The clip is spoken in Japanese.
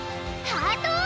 ハートを！